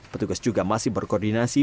petugas juga masih berkoordinasi